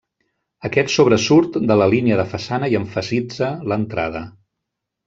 Aquest sobresurt de la línia de façana i emfasitza l'entrada.